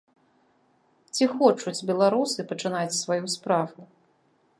Ці хочуць беларусы пачынаць сваю справу?